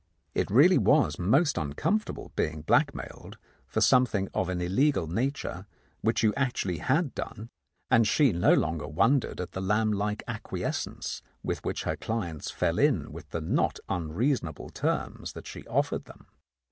It really was most uncomfortable being blackmailed for some thing of an illegal nature which you actually had done, and she no longer wondered at the lamb like acquiescence with which her clients fell in with the not unreasonable terms that she offered them.